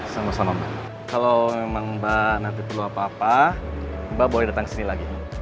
sama sama mbak kalau memang mbak nanti perlu apa apa mbak boleh datang ke sini lagi